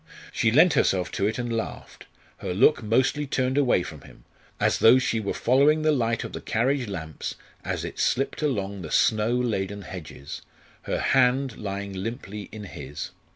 She lent herself to it and laughed, her look mostly turned away from him, as though she were following the light of the carriage lamps as it slipped along the snow laden hedges, her hand lying limply in his.